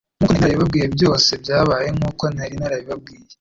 nk'uko nari narabibabwiye. Byose byabaye nk'uko nari narabibabwiye :